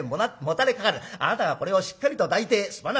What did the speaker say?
あなたがこれをしっかりと抱いて『すまなかった。